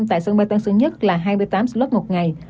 tại sân bay tân sơn nhất là hai mươi tám slot một ngày